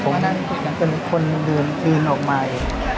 เพราะฉะนั้นเป็นคนดื่นออกใหม่